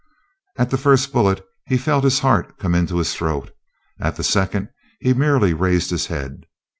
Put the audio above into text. At the first bullet he felt his heart come into his throat. At the second he merely raised his head.